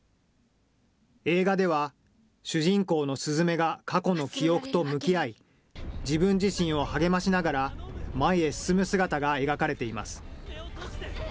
映画では、主人公の鈴芽が過去の記憶と向き合い、自分自身を励ましながら、前へ進む姿が描かれています。